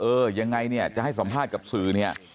เออยังไงเนี่ยจะให้สัมภาษณ์กับสื่อเนี่ย